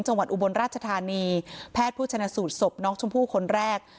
อุบลราชธานีแพทย์ผู้ชนะสูตรศพน้องชมพู่คนแรก